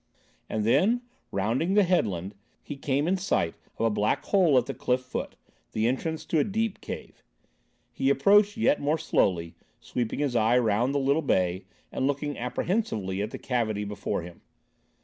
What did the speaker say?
And then, rounding the headland, he came in sight of a black hole at the cliff foot, the entrance to a deep cave. He approached yet more slowly, sweeping his eye round the little bay, and looking apprehensively at the cavity before him.